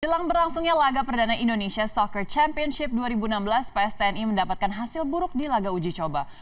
jelang berlangsungnya laga perdana indonesia soccer championship dua ribu enam belas pstni mendapatkan hasil buruk di laga uji coba